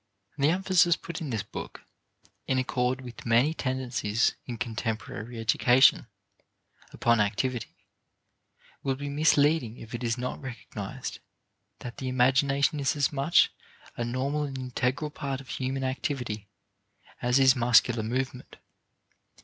The emphasis put in this book, in accord with many tendencies in contemporary education, upon activity, will be misleading if it is not recognized that the imagination is as much a normal and integral part of human activity as is muscular movement.